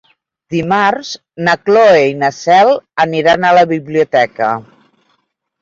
Dimarts na Cloè i na Cel aniran a la biblioteca.